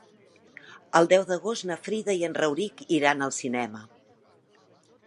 El deu d'agost na Frida i en Rauric iran al cinema.